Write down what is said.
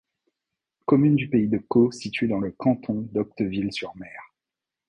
Commune du pays de Caux située dans le canton d'Octeville-sur-Mer.